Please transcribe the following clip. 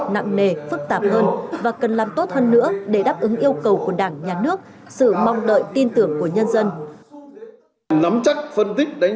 nặng nề phức tạp hơn và cần làm tốt hơn nữa để đáp ứng yêu cầu của đảng nhà nước sự mong đợi tin tưởng của nhân dân